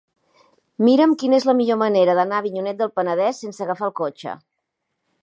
Mira'm quina és la millor manera d'anar a Avinyonet del Penedès sense agafar el cotxe.